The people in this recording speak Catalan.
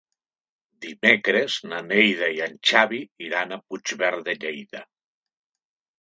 Dimecres na Neida i en Xavi iran a Puigverd de Lleida.